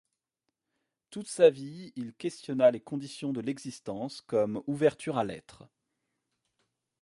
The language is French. Toute sa vie, il questionna les conditions de l'existence comme ouverture à l'Être.